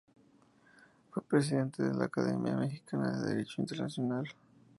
Fue Presidente de la Academia Mexicana de Derecho Internacional.